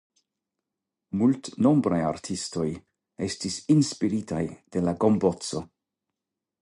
Multnombraj artistoj estis inspiritaj de la gomboco.